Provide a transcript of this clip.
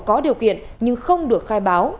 có điều kiện nhưng không được khai báo